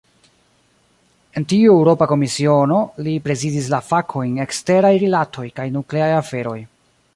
En tiu Eŭropa Komisiono, li prezidis la fakojn "eksteraj rilatoj kaj nukleaj aferoj".